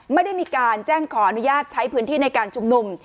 ไม่ได้มีการแจ้งขออนุญาตใช้พื้นที่ในการชุมนุม